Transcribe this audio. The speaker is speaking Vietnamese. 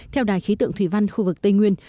theo đài khí tượng thủy văn khu vực tây nguyên